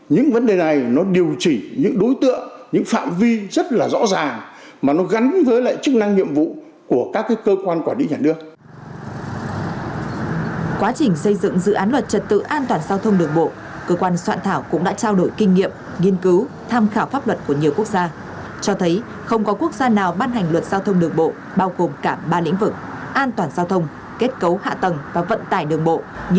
nhưng mà điều chỉnh đồng thời ba cái lĩnh vực đó là cái lĩnh vực thực tự an toàn giao thông đường bộ